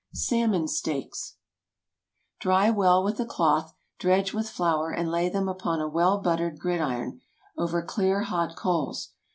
SALMON STEAKS. ✠ Dry well with a cloth, dredge with flour, and lay them upon a well buttered gridiron, over clear hot coals.